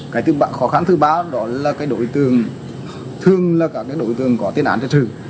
cái khó khăn thứ ba đó là cái đối tượng thường là các đối tượng có tiền án trật trừ